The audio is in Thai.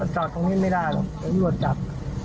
จอดตรงนี้ไม่ได้หรอกตำรวจจับ